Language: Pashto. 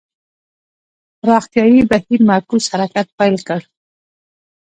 پراختیايي بهیر معکوس حرکت پیل کړ.